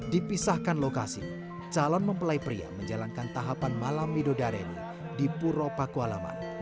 dipisahkan lokasi calon mempelai pria menjalankan tahapan malam midodareni di puro pakualaman